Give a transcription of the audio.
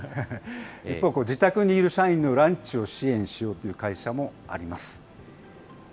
一方、自宅にいる社員のランチを支援しようという会社もあります。